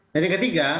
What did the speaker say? dan yang ketiga